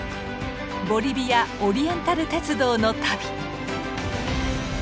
ボリビア・オリエンタル鉄道の旅。